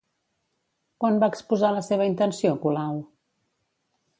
Quan va exposar la seva intenció Colau?